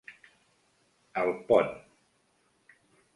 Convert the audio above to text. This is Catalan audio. El Pont.